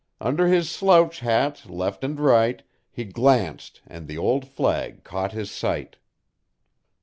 Under his slouch hat left and right, he glanced and the old flag caught his sight."